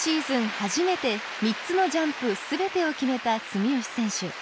初めて３つのジャンプ全てを決めた住吉選手。